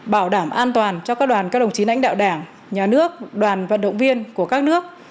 bảo đảm an toàn cho các đoàn các đồng chí lãnh đạo đảng nhà nước đoàn vận động viên của các nước